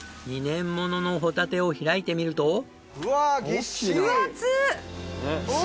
２年もののホタテを開いてみると。